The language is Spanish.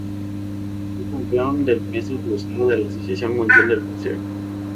Fue campeón de peso crucero de la Asociación Mundial de Boxeo.